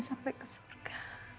sampai ke surga